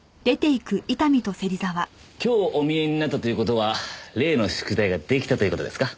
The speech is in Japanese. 今日お見えになったという事は例の宿題が出来たという事ですか？